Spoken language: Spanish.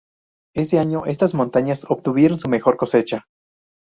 Ese año estas montañas obtuvieron su mejor cosecha.